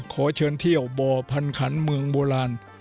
ขอเชิญเที่ยวบ่อพันขันเมืองโบราณ